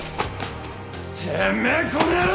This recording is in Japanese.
てめえこの野郎！